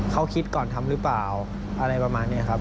เขาคิดก่อนทำหรือเปล่าอะไรประมาณนี้ครับ